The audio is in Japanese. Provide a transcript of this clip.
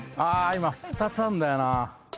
今２つあんだよな。